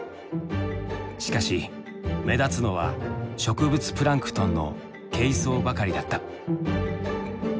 しかし目立つのは植物プランクトンのケイソウばかりだった。